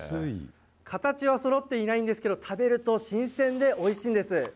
形はそろっていないんですけど、食べると新鮮でおいしいんです。